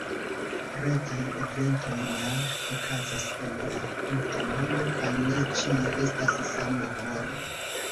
Retaj eventoj ja okazas en la tuta mondo kaj ne ĉie estas sama horo.